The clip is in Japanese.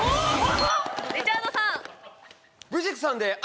リチャードさん！